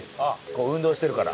運動してるから？